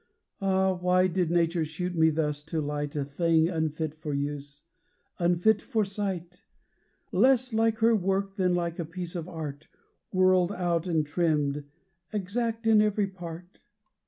Ah! why did Nature shoot me thus to light, A thing unfit for use unfit for sight; Less like her work than like a piece of Art, Whirled out and trimmed exact in every part?